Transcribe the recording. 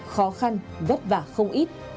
khó khăn vất vả không ít